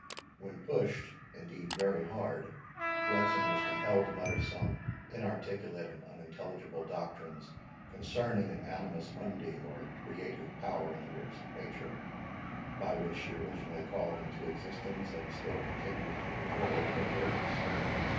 When pushed, indeed, very hard, Bletson was compelled to mutter some inarticulate and unintelligible doctrines concerning an Animus Mundi, or Creative Power in the works of Nature, by which she originally called into existence, and still continues to preserve, her works.